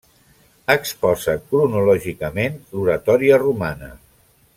Exposa cronològicament l'oratòria romana.